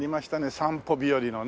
散歩日和のね。